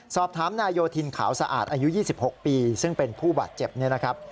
สอบถามนายโยธินขาวสะอาดอายุ๒๖ปีซึ่งเป็นผู้บาดเจ็บเนี่ยนะครับ